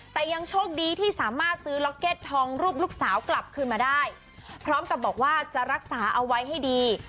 แต่ยังโชคดีที่สามารถซื้อล็อกเก็ตทองรูปลูกสาวกลับคืนมาได้พร้อมกับบอกว่าจะรักษาเอาไว้ให้ดี